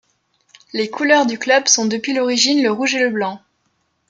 Les couleurs du club sont depuis l'origine le rouge et le blanc.